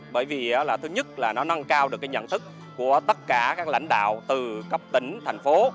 bởi vì thứ nhất là nó nâng cao được cái nhận thức của tất cả các lãnh đạo từ cấp tỉnh thành phố